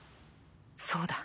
そうだ。